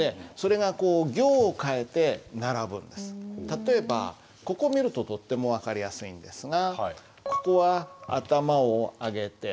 例えばここ見るととっても分かりやすいんですがここは「頭を挙げて」